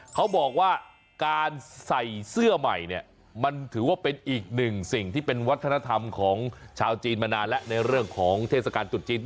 เขาบอกว่าการใส่เสื้อใหม่เนี่ยมันถือว่าเป็นอีกหนึ่งสิ่งที่เป็นวัฒนธรรมของชาวจีนมานานแล้วในเรื่องของเทศกาลจุดจีน